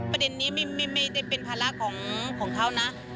ประเด็นนี้ไม่ได้เป็นภาระของเขานะ